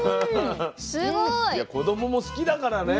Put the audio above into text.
いや子どもも好きだからね。